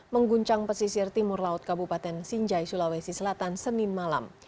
mengguncang pesisir timur laut kabupaten sinjai sulawesi selatan senin malam